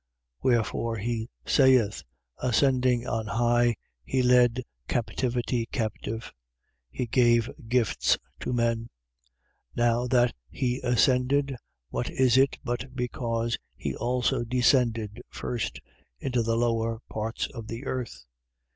4:8. Wherefore he saith: Ascending on high, he led captivity captive: he gave gifts to men. 4:9. Now that he ascended, what is it, but because he also descended first into the lower parts of the earth?